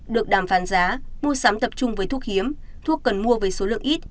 được đàm phán giá mua sắm tập trung với thuốc hiếm thuốc cần mua với số lượng ít